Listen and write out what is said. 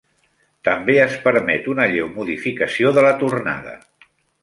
També es permet una lleu modificació de la tornada.